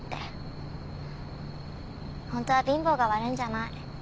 ホントは貧乏が悪いんじゃない。